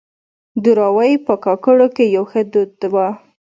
دراوۍ په کاکړو کې يو ښه دود وه.